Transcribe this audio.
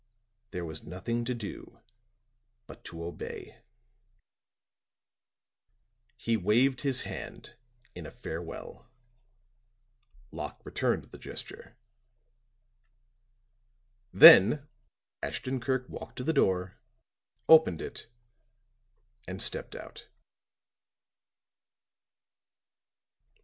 There was nothing to do but to obey. He waved his hand in a farewell. Locke returned the gesture. Then Ashton Kirk walked to the door, opened it and stepped out.